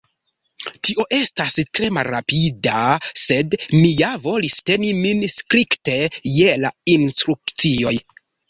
Tio estas tre malrapida, sed mi ja volis teni min strikte je la instrukcioj.